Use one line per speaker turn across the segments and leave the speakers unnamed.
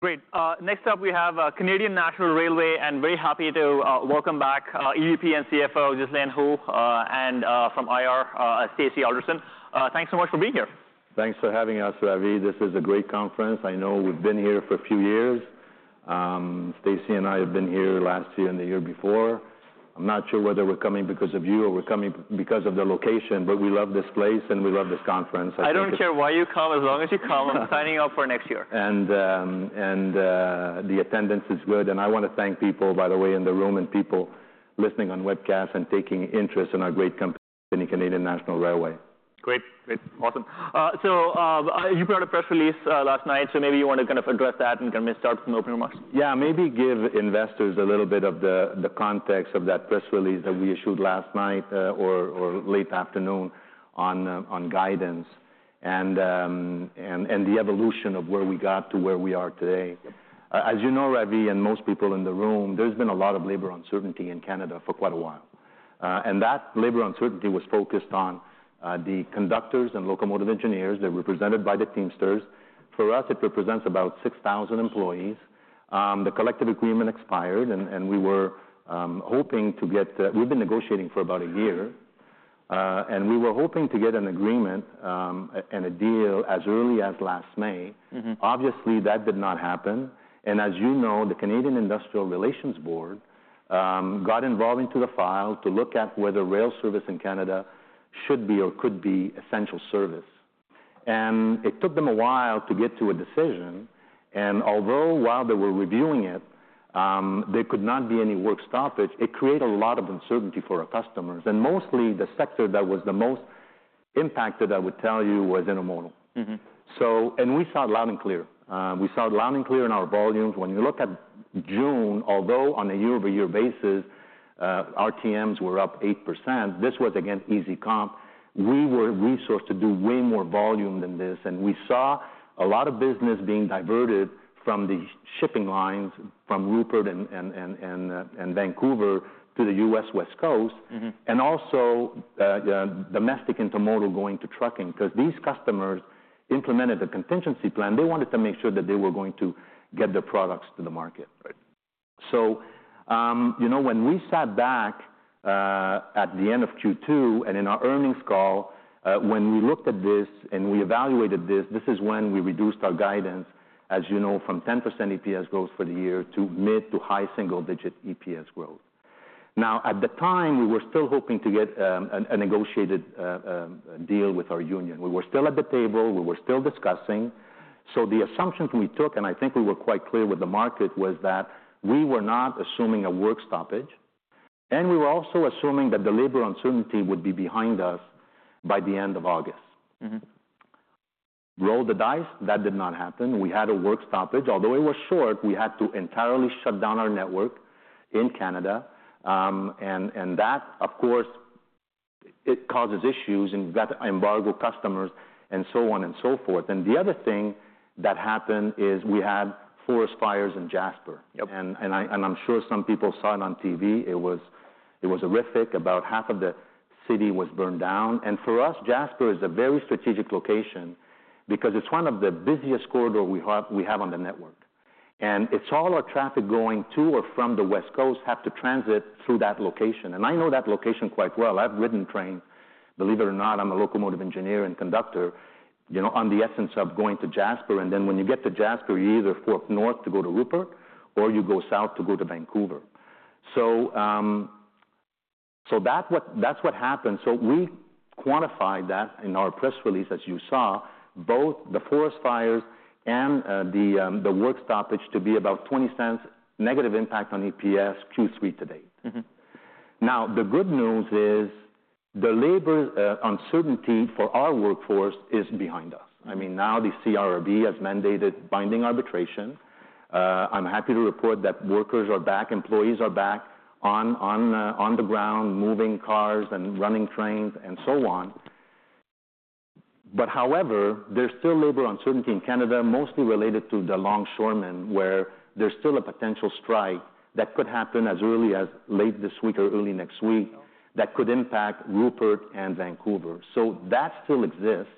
Great. Next up, we have Canadian National Railway, and very happy to welcome back EVP and CFO, Ghislain Houle, and from IR, Stacy Alderson. Thanks so much for being here.
Thanks for having us, Ravi. This is a great conference. I know we've been here for a few years. Stacy and I have been here last year and the year before. I'm not sure whether we're coming because of you or we're coming because of the location, but we love this place, and we love this conference.
I don't care why you come, as long as you come. I'm signing you up for next year.
The attendance is good. I wanna thank people, by the way, in the room and people listening on webcast and taking interest in our great company, Canadian National Railway.
Great. Great, awesome. So, you put out a press release last night, so maybe you wanna kind of address that, and kinda start from opening remarks.
Yeah, maybe give investors a little bit of the context of that press release that we issued last night, or late afternoon on guidance, and the evolution of where we got to where we are today. As you know, Ravi, and most people in the room, there's been a lot of labor uncertainty in Canada for quite a while. That labor uncertainty was focused on the conductors and locomotive engineers that were represented by the Teamsters. For us, it represents about 6,000 employees. The collective agreement expired, and we were hoping to get... We've been negotiating for about a year, and we were hoping to get an agreement and a deal as early as last May. Obviously, that did not happen, and as you know, the Canadian Industrial Relations Board got involved into the file to look at whether rail service in Canada should be or could be essential service. And it took them a while to get to a decision, and although while they were reviewing it, there could not be any work stoppage, it created a lot of uncertainty for our customers. And mostly, the sector that was the most impacted, I would tell you, was Intermodal. We saw it loud and clear. We saw it loud and clear in our volumes. When you look at June, although on a year-over-year basis, RTMs were up 8%, this was, again, easy comp. We were resourced to do way more volume than this, and we saw a lot of business being diverted from the shipping lines, from Rupert and Vancouver to the U.S. West Coast. and also, domestic intermodal going to trucking. 'Cause these customers implemented a contingency plan. They wanted to make sure that they were going to get their products to the market. So, you know, when we sat back at the end of Q2 and in our earnings call, when we looked at this and we evaluated this, this is when we reduced our guidance, as you know, from 10% EPS growth for the year to mid- to high single-digit EPS growth. Now, at the time, we were still hoping to get a negotiated deal with our union. We were still at the table, we were still discussing. So the assumptions we took, and I think we were quite clear with the market, was that we were not assuming a work stoppage, and we were also assuming that the labor uncertainty would be behind us by the end of August. Roll the dice, that did not happen. We had a work stoppage. Although it was short, we had to entirely shut down our network in Canada, and that, of course, it causes issues, and that embargoed customers, and so on and so forth. And the other thing that happened is we had forest fires in Jasper. I'm sure some people saw it on TV. It was horrific. About half of the city was burned down. For us, Jasper is a very strategic location because it's one of the busiest corridor we have on the network. It's all our traffic going to or from the West Coast have to transit through that location, and I know that location quite well. I've run trains. Believe it or not, I'm a locomotive engineer and conductor, you know, on the west end going to Jasper, and then when you get to Jasper, you either fork north to go to Rupert, or you go south to go to Vancouver. So that's what happened. So we quantified that in our press release, as you saw, both the forest fires and the work stoppage to be about $0.20 negative impact on EPS Q3 to date. Now, the good news is the labor uncertainty for our workforce is behind us. I mean, now the CIRB has mandated binding arbitration. I'm happy to report that workers are back, employees are back on the ground, moving cars and running trains and so on, but however, there's still labor uncertainty in Canada, mostly related to the longshoremen, where there's still a potential strike that could happen as early as late this week or early next week, that could impact Rupert and Vancouver, so that still exists,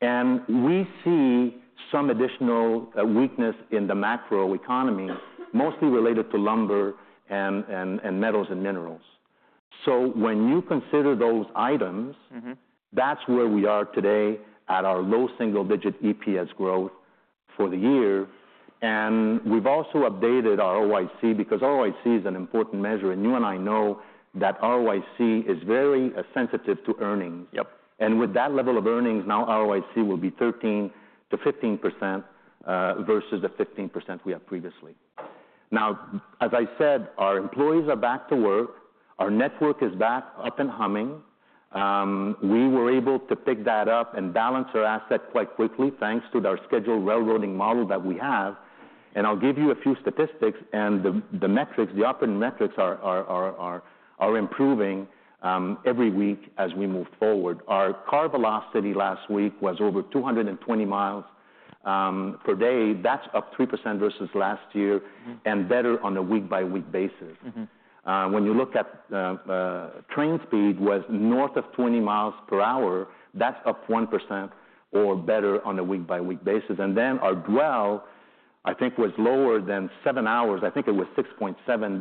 and we see some additional weakness in the macroeconomy, mostly related to lumber and metals and minerals, so when you consider those items that's where we are today, at our low single-digit EPS growth for the year. And we've also updated our ROIC, because ROIC is an important measure, and you and I know that ROIC is very sensitive to earnings. And with that level of earnings, now ROIC will be 13-15%, versus the 15% we had previously. Now, as I said, our employees are back to work. Our network is back up and humming. We were able to pick that up and balance our asset quite quickly, thanks to our scheduled railroading model that we have, and I'll give you a few statistics, and the metrics, the operating metrics are improving every week as we move forward. Our car velocity last week was over 220 miles per day. That's up 3% versus last year and better on a week-by-week basis. When you look at train speed, it was north of 20 miles per hour. That's up 1% or better on a week-by-week basis. Then our dwell, I think, was lower than 7 hours. I think it was 6.7.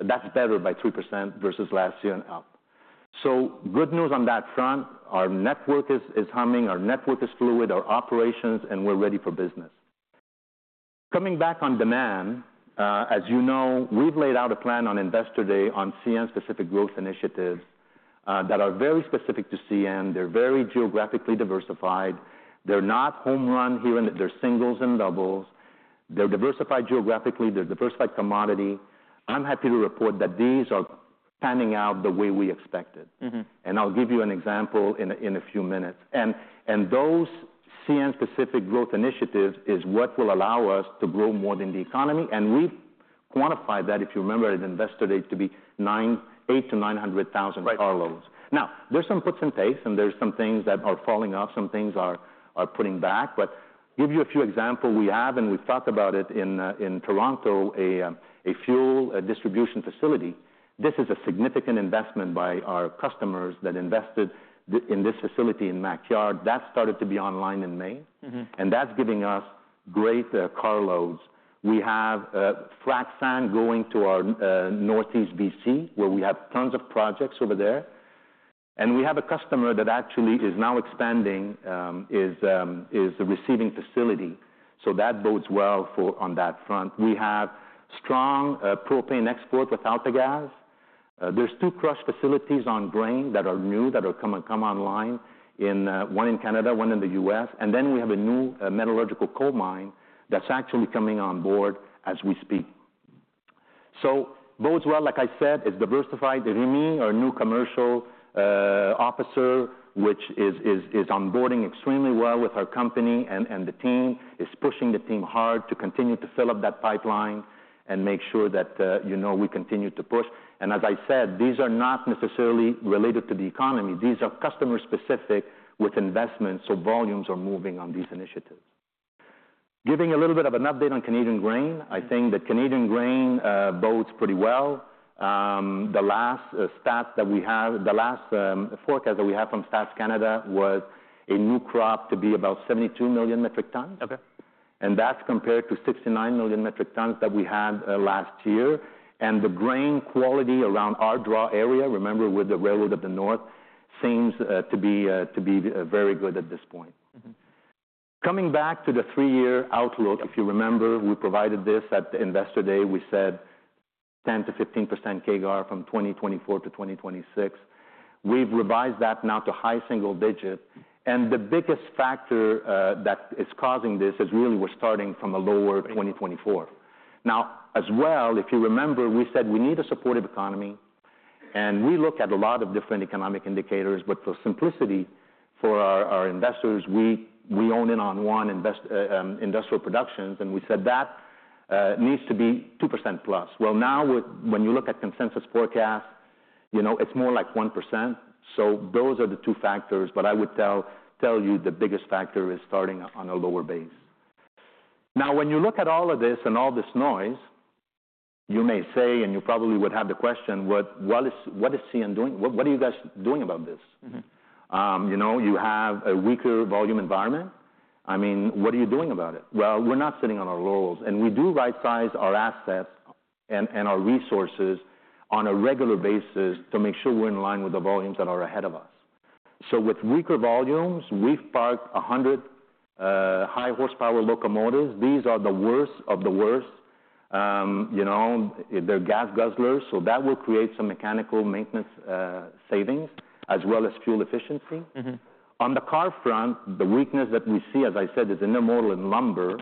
That's better by 2% versus last year and up. So good news on that front. Our network is humming. Our network is fluid. Our operations, and we're ready for business. Coming back on demand, as you know, we've laid out a plan on Investor Day on CN specific growth initiatives that are very specific to CN. They're very geographically diversified. They're not home run here, and they're singles and doubles. They're diversified geographically. They're diversified commodity. I'm happy to report that these are panning out the way we expected. I'll give you an example in a few minutes. Those CN specific growth initiatives is what will allow us to grow more than the economy, and we quantify that, if you remember at Investor Day, to be eight to nine hundred thousand car loads.
Right.
Now, there's some puts and pays, and there's some things that are falling off, some things are putting back. But give you a few example, we have, and we've talked about it in Toronto, a fuel distribution facility. This is a significant investment by our customers that invested in this facility in Mac Yard. That started to be online in May. That's giving us great car loads. We have frac sand going to our Northeast BC, where we have tons of projects over there. We have a customer that actually is now expanding, is a receiving facility, so that bodes well for on that front. We have strong propane export with AltaGas. There's two crush facilities on grain that are new, that are come online, in one in Canada, one in the US. We have a new metallurgical coal mine that's actually coming on board as we speak. Bodes well, like I said, it's diversified. Rémi, our new commercial officer, which is onboarding extremely well with our company, and the team, is pushing the team hard to continue to fill up that pipeline and make sure that, you know, we continue to push. As I said, these are not necessarily related to the economy. These are customer specific with investments, so volumes are moving on these initiatives. Giving a little bit of an update on Canadian grain I think the Canadian grain bodes pretty well. The last stat that we have, the last forecast that we have from Stats Canada was a new crop to be about 72 million metric ton.
Okay.
That's compared to 69 million metric tons that we had last year. The grain quality around our Prairie area, remember, we're the railroad of the North, seems to be very good at this point. Coming back to the three-year outlook, if you remember, we provided this at the Investor Day. We said 10-15% CAGR from 2024 to 2026. We've revised that now to high single digits, and the biggest factor that is causing this is really we're starting from a lower 2024. Now, as well, if you remember, we said we need a supportive economy, and we look at a lot of different economic indicators, but for simplicity, for our investors, we zone in on one indicator, industrial production, and we said that needs to be 2% plus. Now when you look at consensus forecast, you know, it's more like 1%, so those are the two factors. But I would tell you the biggest factor is starting on a lower base. Now, when you look at all of this and all this noise, you may say, and you probably would have the question, "What is CN doing? What are you guys doing about this? You know, you have a weaker volume environment. I mean, what are you doing about it? Well, we're not sitting on our laurels, and we do right-size our assets and our resources on a regular basis to make sure we're in line with the volumes that are ahead of us. So with weaker volumes, we've parked 100 high horsepower locomotives. These are the worst of the worst. You know, they're gas guzzlers, so that will create some mechanical maintenance savings, as well as fuel efficiency. On the car front, the weakness that we see, as I said, is intermodal and lumber.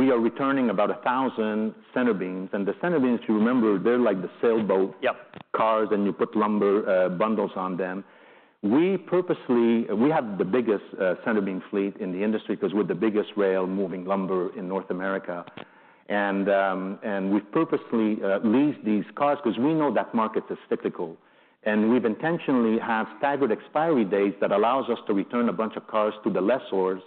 We are returning about 1,000 Centerbeams, and the Centerbeams, if you remember, they're like the sailboat- cars, and you put lumber, bundles on them. We purposely. We have the biggest, centerbeam fleet in the industry, 'cause we're the biggest rail moving lumber in North America. And we've purposely, leased these cars, 'cause we know that market is cyclical, and we've intentionally have staggered expiry dates that allows us to return a bunch of cars to the lessors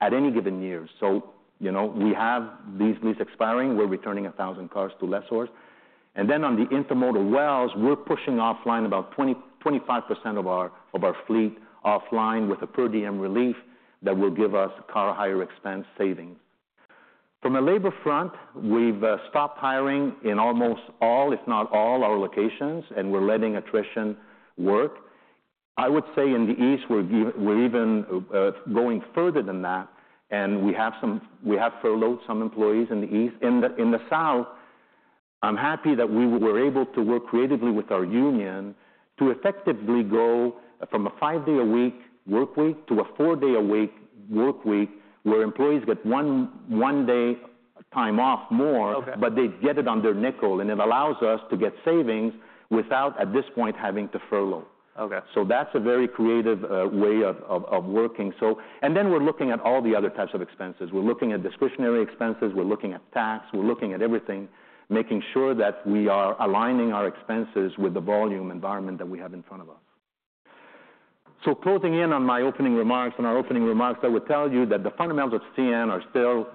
at any given year. So, you know, we have these lease expiring. We're returning 1,000 cars to lessors. And then on the intermodal wells, we're pushing offline about 20-25% of our fleet offline with a per diem relief that will give us car hire expense savings. From a labor front, we've stopped hiring in almost all, if not all, our locations, and we're letting attrition work. I would say in the East, we're even, we're even, going further than that, and we have furloughed some employees in the East. In the South, I'm happy that we were able to work creatively with our union to effectively go from a five-day a week workweek to a four-day a week workweek, where employees get one day time off more but they get it on their nickel, and it allows us to get savings without, at this point, having to furlough. So that's a very creative way of working. And then we're looking at all the other types of expenses. We're looking at discretionary expenses, we're looking at tax, we're looking at everything, making sure that we are aligning our expenses with the volume environment that we have in front of us. So closing in on my opening remarks, on our opening remarks, I would tell you that the fundamentals of CN are still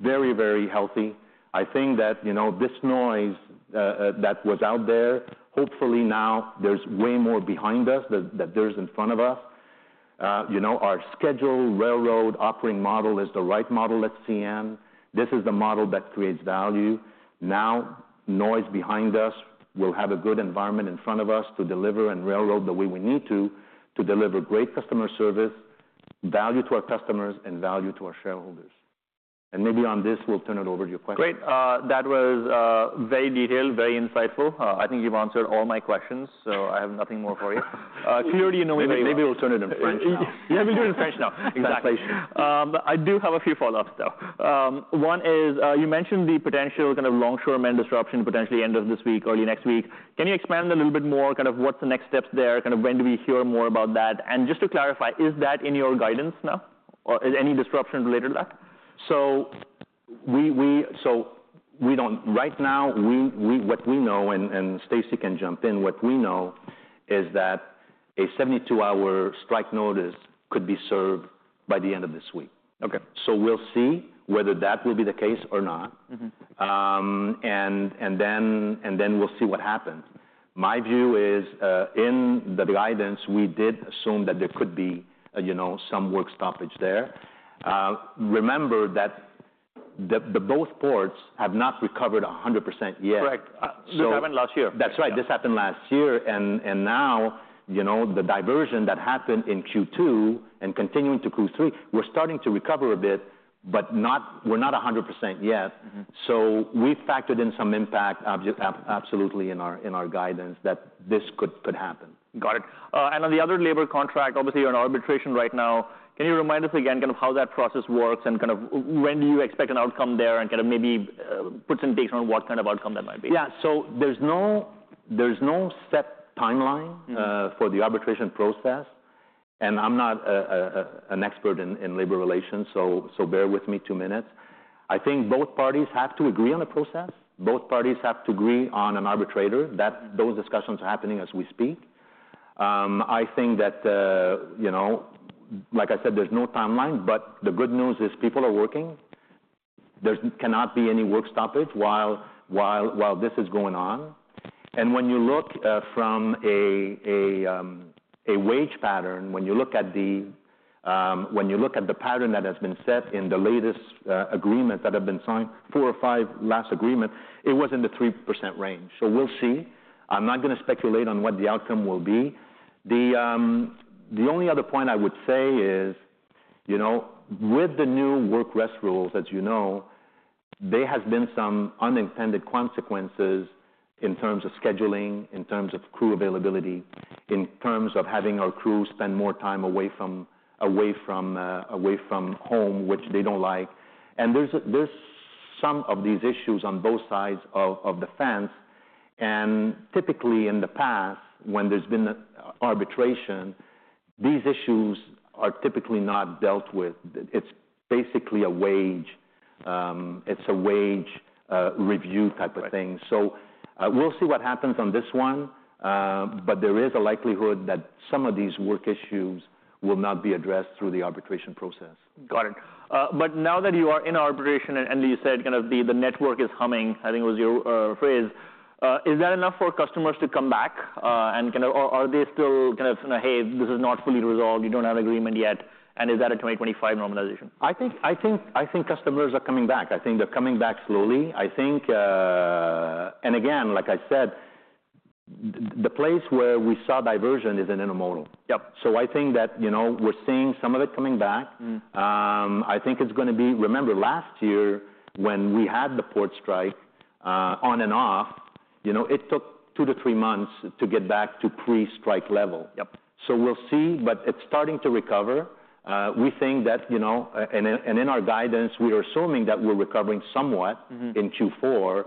very, very healthy. I think that, you know, this noise that was out there, hopefully now there's way more behind us than there is in front of us. You know, our scheduled railroad operating model is the right model at CN. This is the model that creates value. Now, noise behind us, we'll have a good environment in front of us to deliver and railroad the way we need to, to deliver great customer service, value to our customers, and value to our shareholders, and maybe on this, we'll turn it over to your questions.
Great. That was very detailed, very insightful. I think you've answered all my questions, so I have nothing more for you.
Clearly, you know, maybe-
Maybe we'll turn it in French now. Yeah, we'll do it in French now, exactly. But I do have a few follow-ups, though. One is, you mentioned the potential kind of longshoremen disruption, potentially end of this week, early next week. Can you expand a little bit more, kind of what's the next steps there? Kind of when do we hear more about that? And just to clarify, is that in your guidance now, or any disruptions related to that?
We don't know right now what we know, and Stacy can jump in. What we know is that a 72-hour strike notice could be served by the end of this week.
Okay.
So we'll see whether that will be the case or not. And then we'll see what happens. My view is, in the guidance, we did assume that there could be, you know, some work stoppage there. Remember that both ports have not recovered 100% yet.
Correct.
So-
This happened last year.
That's right, this happened last year, and now, you know, the diversion that happened in Q2 and continuing to Q3, we're starting to recover a bit, but not. We're not 100% yet. So we factored in some impact absolutely in our guidance that this could happen.
Got it. And on the other labor contract, obviously you're in arbitration right now. Can you remind us again kind of how that process works, and kind of when do you expect an outcome there, and kind of maybe put some dates on what kind of outcome that might be?
Yeah. So there's no set timeline for the arbitration process, and I'm not an expert in labor relations, so bear with me two minutes. I think both parties have to agree on a process. Both parties have to agree on an arbitrator, that- Those discussions are happening as we speak. I think that, you know, like I said, there's no timeline, but the good news is people are working. There cannot be any work stoppage while this is going on, and when you look from a wage pattern, when you look at the pattern that has been set in the latest agreement that have been signed, four or five last agreement, it was in the 3% range, so we'll see. I'm not gonna speculate on what the outcome will be. The only other point I would say is, you know, with the new work rest rules, as you know, there has been some unintended consequences in terms of scheduling, in terms of crew availability, in terms of having our crew spend more time away from home, which they don't like. And there's some of these issues on both sides of the fence, and typically in the past, when there's been an arbitration, these issues are typically not dealt with. It's basically a wage review type of thing.
Right.
We'll see what happens on this one, but there is a likelihood that some of these work issues will not be addressed through the arbitration process.
Got it. But now that you are in arbitration, and you said kind of the network is humming, I think was your phrase, is that enough for customers to come back, and kind of are they still kind of, "Hey, this is not fully resolved, you don't have agreement yet," and is that a 2025 normalization?
I think customers are coming back. I think they're coming back slowly, and again, like I said, the place where we saw diversion is in intermodal.
Yep.
So I think that, you know, we're seeing some of it coming back.
Mm.
I think it's gonna be. Remember last year, when we had the port strike, on and off, you know, it took two to three months to get back to pre-strike level.
Yep.
So we'll see, but it's starting to recover. We think that, you know, and in our guidance, we are assuming that we're recovering somewhat.
Mm-hmm.
In Q4,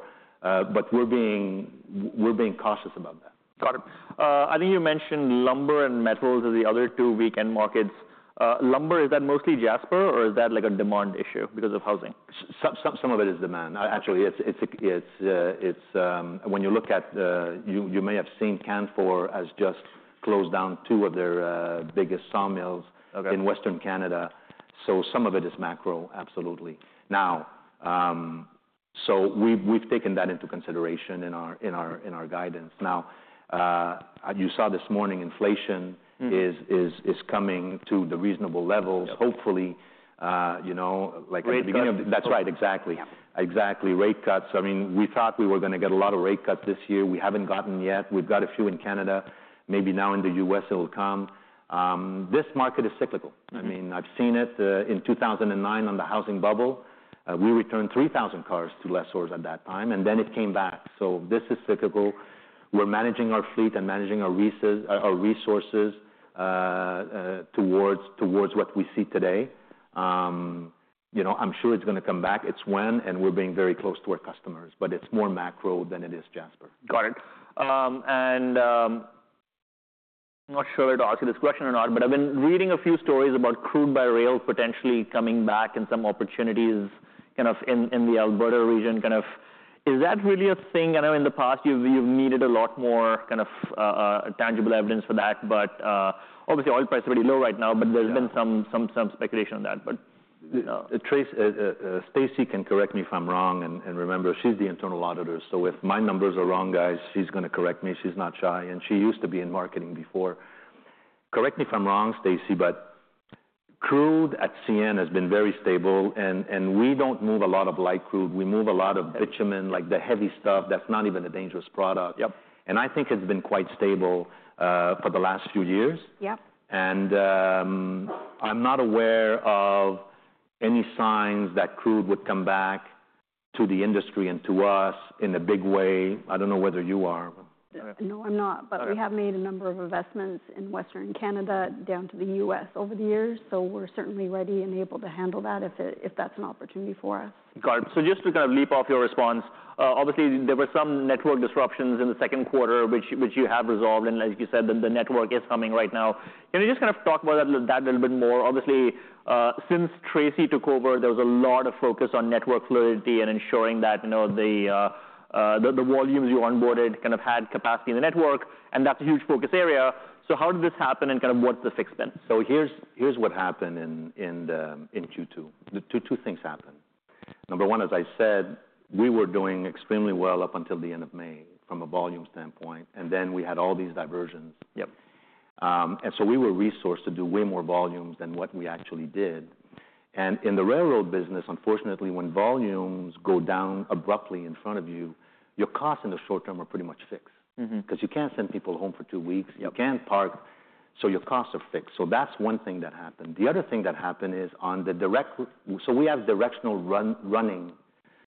but we're being cautious about that.
Got it. I think you mentioned lumber and metals are the other two weakened markets. Lumber, is that mostly Jasper, or is that, like, a demand issue because of housing?
Some of it is demand. Actually, it's when you look at, you may have seen Canfor has just closed down two of their biggest sawmills.
Okay.
- in Western Canada, so some of it is macro, absolutely. Now, so we've taken that into consideration in our guidance. Now, you saw this morning, inflation-
Mm.
is coming to the reasonable levels.
Yep.
Hopefully, you know, like the beginning of-
Rate cuts.
That's right, exactly.
Yeah.
Exactly, rate cuts. I mean, we thought we were gonna get a lot of rate cuts this year. We haven't gotten yet. We've got a few in Canada, maybe now in the U.S. it'll come. This market is cyclical.
Mm.
I mean, I've seen it in two thousand and nine on the housing bubble. We returned three thousand cars to lessors at that time, and then it came back. So this is cyclical. We're managing our fleet and managing our resources towards what we see today. You know, I'm sure it's gonna come back. It's when, and we're being very close to our customers, but it's more macro than it is Jasper.
Got it. And I'm not sure to ask you this question or not, but I've been reading a few stories about crude by rail potentially coming back and some opportunities kind of in the Alberta region. Kind of, is that really a thing? I know in the past you've needed a lot more kind of tangible evidence for that, but obviously, oil prices are pretty low right now.
Yeah...
but there's been some speculation on that, but.
Tracy, Stacy can correct me if I'm wrong, and remember, she's the internal auditor, so if my numbers are wrong, guys, she's gonna correct me. She's not shy, and she used to be in marketing before. Correct me if I'm wrong, Stacy, but crude at CN has been very stable, and we don't move a lot of light crude. We move a lot of bitumen, like the heavy stuff that's not even a dangerous product.
Yep.
And I think it's been quite stable for the last few years.
Yep.
I'm not aware of any signs that crude would come back to the industry and to us in a big way. I don't know whether you are.
No, I'm not.
All right.
But we have made a number of investments in Western Canada down to the U.S. over the years, so we're certainly ready and able to handle that if, if that's an opportunity for us.
Got it. So just to kind of leap off your response, obviously there were some network disruptions in the Q2, which you have resolved, and like you said, the network is humming right now. Can you just kind of talk about that a little bit more? Obviously, since Tracy took over, there was a lot of focus on network fluidity and ensuring that, you know, the volumes you onboarded kind of had capacity in the network, and that's a huge focus area. So how did this happen, and kind of what's the fix then?
So here's what happened in Q2. Two things happened. Number one, as I said, we were doing extremely well up until the end of May from a volume standpoint, and then we had all these diversions.
Yep.
And so we were resourced to do way more volumes than what we actually did. And in the railroad business, unfortunately, when volumes go down abruptly in front of you, your costs in the short term are pretty much fixed.
Mm-hmm.
'Cause you can't send people home for two weeks.
Yep.
You can't park, so your costs are fixed. So that's one thing that happened. The other thing that happened is on the directional running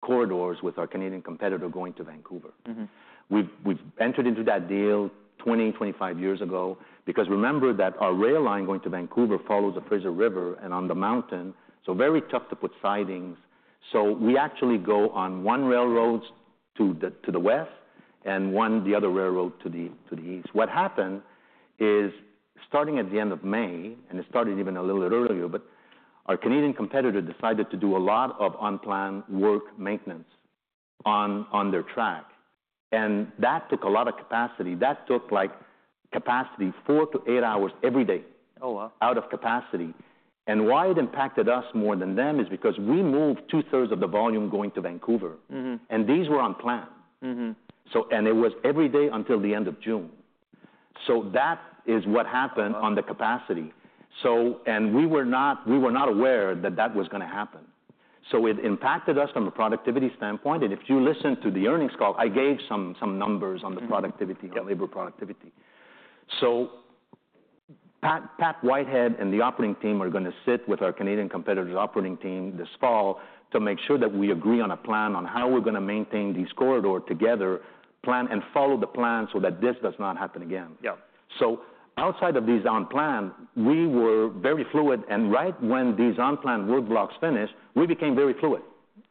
corridors with our Canadian competitor going to Vancouver.
Mm-hmm.
We've entered into that deal twenty-five years ago, because remember that our rail line going to Vancouver follows the Fraser River and on the mountain, so very tough to put sidings. So we actually go on one railroad to the west, and the other railroad to the east. What happened is, starting at the end of May, and it started even a little bit earlier, but our Canadian competitor decided to do a lot of unplanned work maintenance on their track, and that took a lot of capacity. That took, like, capacity 4-8 hours every day-
Oh, wow...
out of capacity, and why it impacted us more than them is because we moved two-thirds of the volume going to Vancouver.
Mm-hmm.
These were on plan.
Mm-hmm.
So, and it was every day until the end of June. So that is what happened.
Wow...
on the capacity. So, and we were not aware that that was gonna happen. So it impacted us from a productivity standpoint, and if you listen to the earnings call, I gave some numbers on the-
Mm...
productivity, the labor productivity, so Pat, Pat Whitehead, and the operating team are gonna sit with our Canadian competitor's operating team this fall to make sure that we agree on a plan on how we're gonna maintain this corridor together, plan, and follow the plan so that this does not happen again.
Yep.
So, outside of these on-plan work blocks, we were very fluid, and right when these on-plan work blocks finished, we became very fluid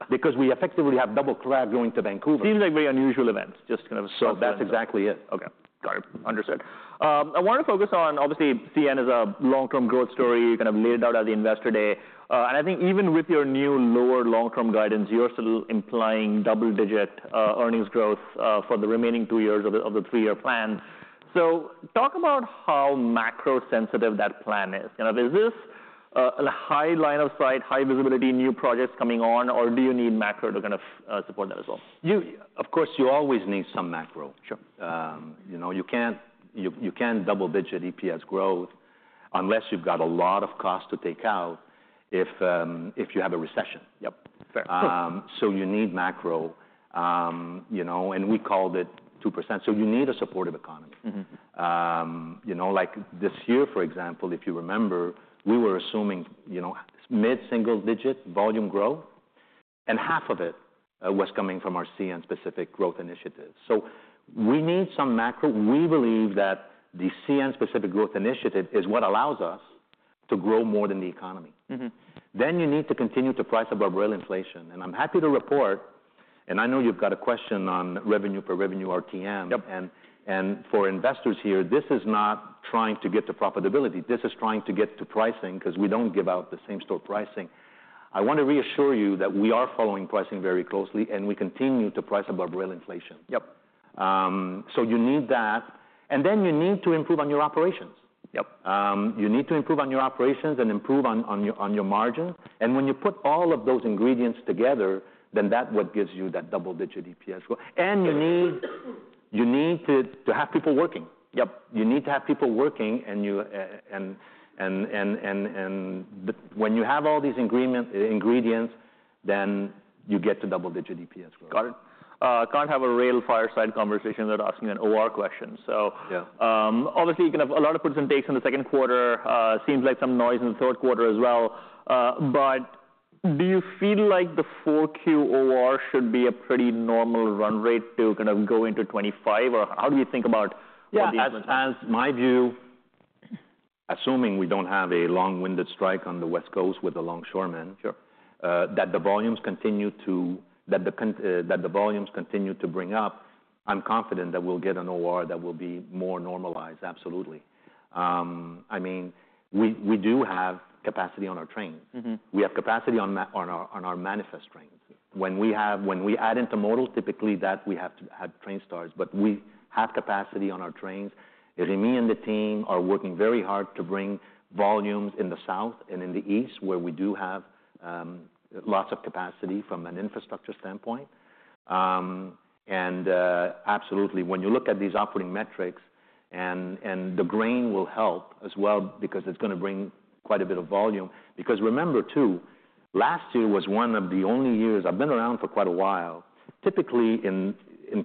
because we effectively have double cloud going to Vancouver.
Seems like very unusual events, just kind of-
So that's exactly it.
Okay. Got it. Understood. I want to focus on, obviously, CN is a long-term growth story, kind of laid out at the investor day. And I think even with your new lower long-term guidance, you're still implying double-digit earnings growth for the remaining two years of the three-year plan. So talk about how macro-sensitive that plan is. You know, is this a high line of sight, high visibility, new projects coming on, or do you need macro to kind of support that as well?
You, of course, you always need some macro.
Sure.
You know, you can't double-digit EPS growth unless you've got a lot of cost to take out if you have a recession.
Yep. Fair.
So you need macro. You know, and we called it 2%, so you need a supportive economy.
Mm-hmm.
You know, like this year, for example, if you remember, we were assuming, you know, mid-single digit volume growth, and half of it was coming from our CN-specific growth initiative. So we need some macro. We believe that the CN-specific growth initiative is what allows us to grow more than the economy.
Mm-hmm.
Then you need to continue to price above rail inflation, and I'm happy to report, and I know you've got a question on revenue per revenue RTM.
Yep.
For investors here, this is not trying to get to profitability. This is trying to get to pricing, 'cause we don't give out the same store pricing. I want to reassure you that we are following pricing very closely, and we continue to price above rail inflation.
Yep.
So you need that, and then you need to improve on your operations.
Yep.
You need to improve on your operations and improve on your margin. And when you put all of those ingredients together, then that what gives you that double-digit EPS growth. And you need to have people working.
Yep.
You need to have people working, and when you have all these agreement ingredients, then you get to double-digit EPS growth.
Got it. Can't have a rail fireside conversation without asking an OR question. So-
Yeah...
obviously, you can have a lot of puts and takes in the Q2. Seems like some noise in the Q3 as well. But do you feel like the full Q4 should be a pretty normal run rate to kind of go into 2025? Or how do you think about-
Yeah
for the-
As my view, assuming we don't have a long-winded strike on the West Coast with the longshoremen-
Sure...
that the volumes continue to bring up. I'm confident that we'll get an OR that will be more normalized. Absolutely. I mean, we do have capacity on our trains.
Mm-hmm.
We have capacity on our manifest trains. When we add intermodal, typically that we have to add train starts, but we have capacity on our trains. Rémi and the team are working very hard to bring volumes in the south and in the east, where we do have lots of capacity from an infrastructure standpoint, and absolutely, when you look at these operating metrics, and the grain will help as well, because it's gonna bring quite a bit of volume, because remember, too, last year was one of the only years. I've been around for quite a while. Typically, in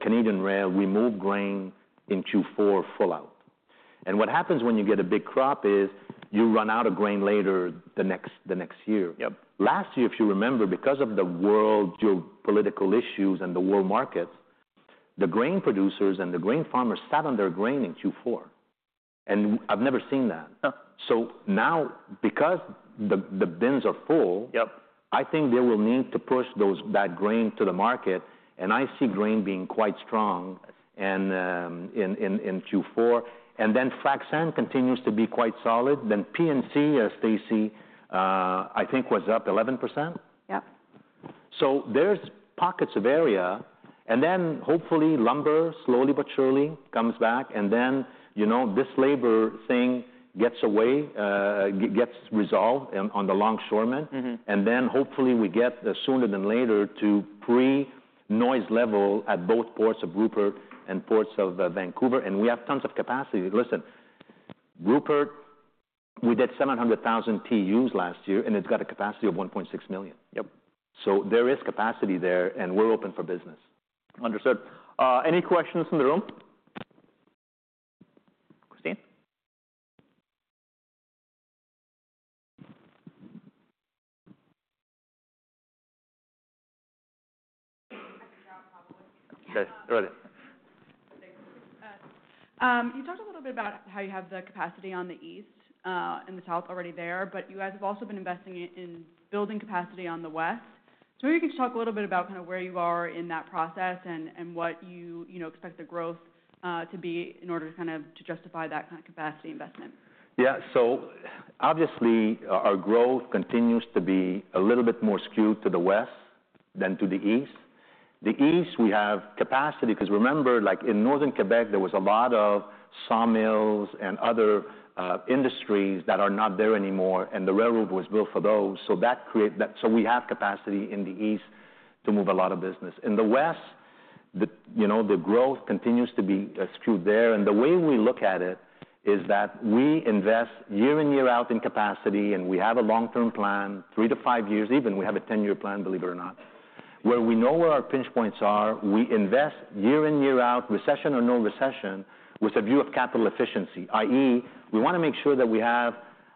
Canadian rail, we move grain in Q4 full out, and what happens when you get a big crop is, you run out of grain later the next year.
Yep.
Last year, if you remember, because of the world geopolitical issues and the world markets, the grain producers and the grain farmers sat on their grain in Q4, and I've never seen that.
No.
So now, because the bins are full-
Yep.
I think they will need to push those bulk grain to the market, and I see grain being quite strong and in Q4. Then frac sand continues to be quite solid. Then P&C, as Stacy, I think was up 11%?
Yep.
There's pockets of area. Hopefully lumber, slowly but surely, comes back, and then, you know, this labor thing gets resolved on the longshoremen.
Mm-hmm.
And then hopefully we get, sooner than later, to pre-noise level at both ports of Rupert and ports of Vancouver, and we have tons of capacity. Listen, Rupert, we did seven hundred thousand TUs last year, and it's got a capacity of one point six million.
Yep.
So there is capacity there, and we're open for business.
Understood. Any questions from the room? Christine?
Okay, go ahead.
Thanks. You talked a little bit about how you have the capacity on the east and the south already there, but you guys have also been investing in building capacity on the west, so maybe you could talk a little bit about kind of where you are in that process, and what you know expect the growth to be in order to kind of to justify that kind of capacity investment.
Yeah. So obviously, our growth continues to be a little bit more skewed to the west than to the east. The east, we have capacity, because remember, like in northern Quebec, there was a lot of sawmills and other industries that are not there anymore, and the railroad was built for those, so that. So we have capacity in the east to move a lot of business. In the west, you know, the growth continues to be skewed there. And the way we look at it is that we invest year in, year out in capacity, and we have a long-term plan, three to five years, even we have a ten-year plan, believe it or not, where we know where our pinch points are. We invest year in, year out, recession or no recession, with a view of capital efficiency, i.e., we want to make sure that we have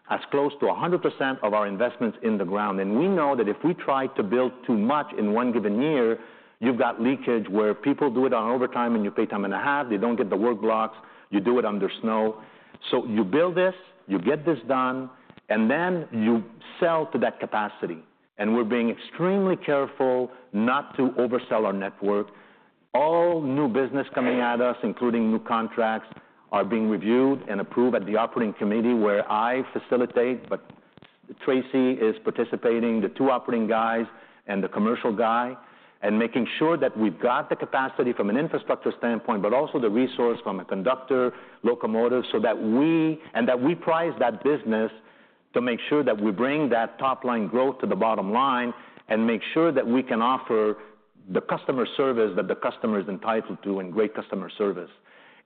as close to 100% of our investments in the ground, and we know that if we try to build too much in one given year, you've got leakage where people do it on overtime, and you pay time and a half, they don't get the work blocks, you do it under snow, so you build this, you get this done, and then you sell to that capacity, and we're being extremely careful not to oversell our network. All new business coming at us, including new contracts, are being reviewed and approved at the operating committee, where I facilitate, but Tracy is participating, the two operating guys and the commercial guy, and making sure that we've got the capacity from an infrastructure standpoint, but also the resource from a conductor, locomotive, so that we, and that we price that business to make sure that we bring that top-line growth to the bottom line and make sure that we can offer the customer service that the customer is entitled to, and great customer service,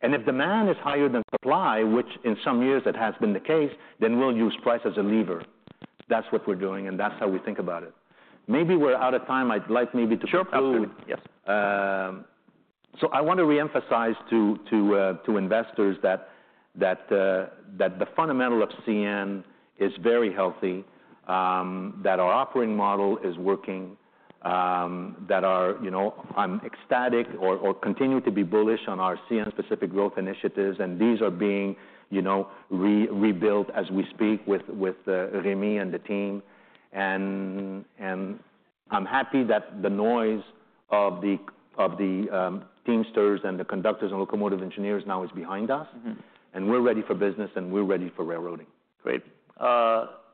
and if demand is higher than supply, which in some years it has been the case, then we'll use price as a lever. That's what we're doing, and that's how we think about it. Maybe we're out of time. I'd like maybe to conclude-
Sure, absolutely. Yes.
I want to reemphasize to investors that the fundamental of CN is very healthy, that our operating model is working, that our, you know, I'm ecstatic or continue to be bullish on our CN specific growth initiatives, and these are being, you know, rebuilt as we speak with Rémi and the team. And I'm happy that the noise of the Teamsters and the conductors and locomotive engineers now is behind us.
Mm-hmm.
We're ready for business, and we're ready for railroading.
Great.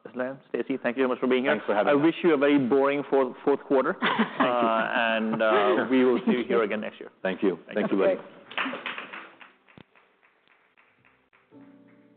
Jean-Pierre, Stacy, thank you very much for being here.
Thanks for having me.
I wish you a very boring Q4.
Thank you.
Uh, and, uh-
Sure.
We will see you here again next year.
Thank you. Thank you very much.
Thanks.